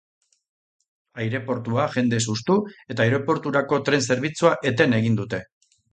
Aireportua jendez hustu eta aireporturako tren zerbitzua eten egin dute.